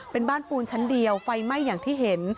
เป็นบ้านปูนชั้นเดียวไฟไหม้อย่างที่เห็น